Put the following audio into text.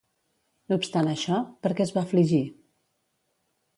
No obstant això, per què es va afligir?